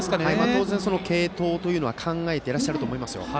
当然、継投は考えていらっしゃると思います。